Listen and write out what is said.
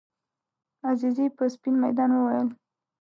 عزیزي په سپین میدان وویل.